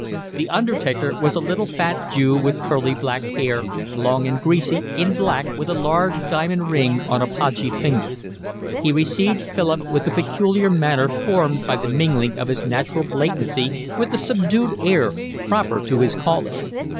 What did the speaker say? The undertaker was a little fat Jew with curly black hair, long and greasy, in black, with a large diamond ring on a podgy finger. He received Philip with a peculiar manner formed by the mingling of his natural blatancy with the subdued air proper to his calling.